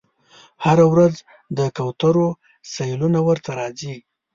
هره ورځ د کوترو سیلونه ورته راځي